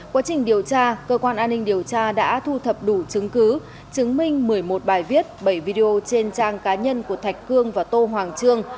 quá trình điều tra cơ quan an ninh điều tra đã thu thập đủ chứng cứ chứng minh một mươi một bài viết bảy video trên trang cá nhân của thạch cương và tô hoàng trương